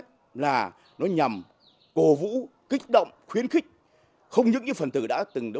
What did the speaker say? rất là lớn đối với những người bị bắt cũng như đối với gia đình họ